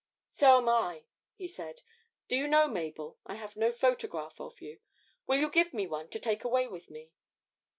'So am I,' he said. 'Do you know, Mabel, I have no photograph of you. Will you give me one to take away with me?'